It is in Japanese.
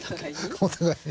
お互いに？